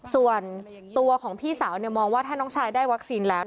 ส่วนตัวของพี่สาวมองว่าถ้าน้องชายได้วัคซีนแล้ว